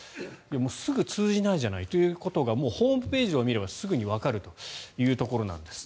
すぐ通じないじゃないということがもうホームページを見ればすぐにわかるというところなんです。